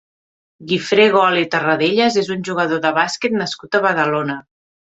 Guifré Gol i Terradellas és un jugador de bàsquet nascut a Badalona.